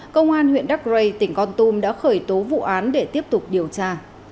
công an huyện đắk rê tỉnh con tum đã khởi tố vụ án để tiếp tục điều tra